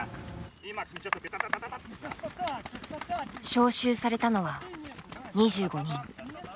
招集されたのは２５人。